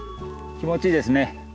気持ちいいですね。